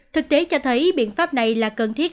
thực tế cho thấy biện pháp này là cần thiết